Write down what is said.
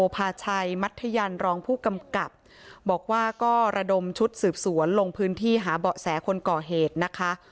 พาชัยมัธยันรองผู้กำกับบอกว่าก็ระดมชุดสืบสวนลงพื้นที่หาเบาะแสคนก่อเหตุนะคะ